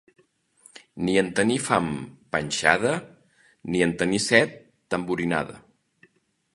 Ni en tenir fam, panxada; ni en tenir set, tamborinada.